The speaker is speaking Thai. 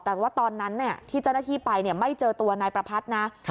แต่ว่าตอนนั้นที่เจ้าหน้าที่ไปไม่เจอตัวนายประพัทธ์นะ